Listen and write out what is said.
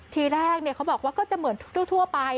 ทีแรกเขาบอกว่าก็จะเหมือนทั่วไป